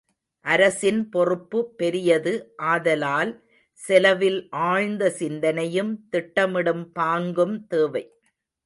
அரசின் பொறுப்பு பெரியது ஆதலால் செலவில் ஆழ்ந்த சிந்தனையும் திட்டமிடும் பாங்கும் தேவை.